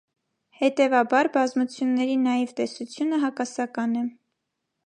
Հետևաբար, բազմությունների նաիվ տեսությունը հակասական է։